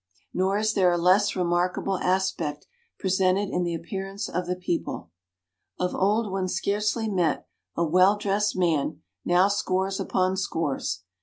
Nor is there a less remarkable aspect presented in the appearance of the people. Of old one scarcely met a well dressed man now scores upon scores.